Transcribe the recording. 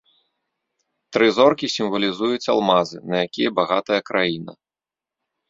Тры зоркі сімвалізуюць алмазы, на якія багатая краіна.